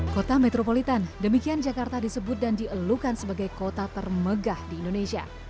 kota metropolitan demikian jakarta disebut dan dielukan sebagai kota termegah di indonesia